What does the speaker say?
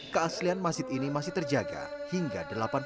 keaslian masjid ini masih terjaga hingga delapan puluh